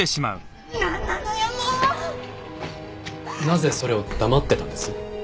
なぜそれを黙ってたんです？